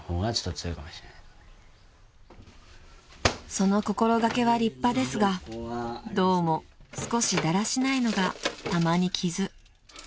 ［その心掛けは立派ですがどうも少しだらしないのが玉にきず］